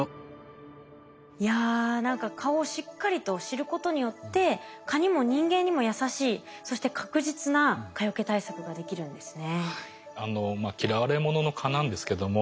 いや何か蚊をしっかりと知ることによって蚊にも人間にも優しいそして確実な蚊よけ対策ができるんですね。